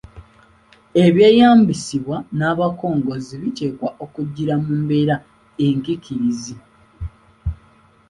ebyeyambisibwa n’abakongozzi biteekwa okugiira mu mbeera enkiikirizi.